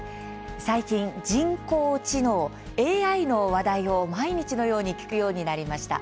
最近、人工知能＝ＡＩの話題を毎日のように聞くようになりました。